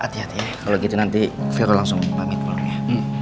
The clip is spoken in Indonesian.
hati hati ya kalau gitu nanti vero langsung pamit dulu ya